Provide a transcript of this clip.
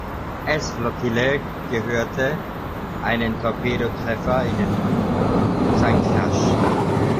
S-Flottille gehörte, einen Torpedotreffer in den Bug und sank rasch.